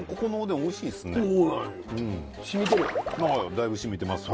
だいぶ染みてますね。